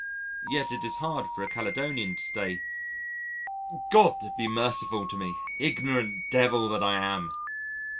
Yet it is hard for a Caledonian to say "God be merciful to me, ignorant devil that I am."